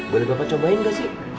boleh bapak cobain gak sih